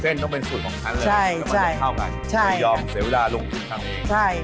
เส้นต้องเป็นสูตรของเขาเลยใช่มันจะเท่ากันใช่ไม่ยอมเสียเวลาลงทุนทำเองใช่